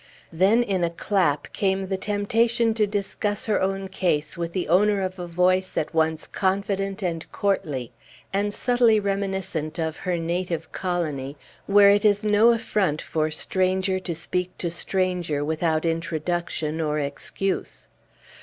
Then in a clap came the temptation to discuss her own case with the owner of a voice at once confident and courtly, and subtly reminiscent of her native colony, where it is no affront for stranger to speak to stranger without introduction or excuse.